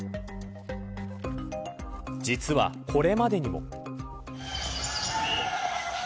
実は、これまでにも。